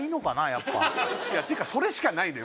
やっぱていうかそれしかないのよ